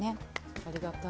ありがたい。